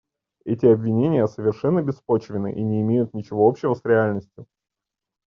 Эти обвинения совершенно беспочвенны и не имеют ничего общего с реальностью.